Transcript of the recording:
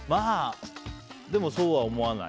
でも、そうは思わない？